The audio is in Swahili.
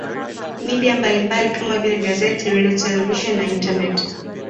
Media mbalimbali kama vile gazeti redio televisheni na intaneti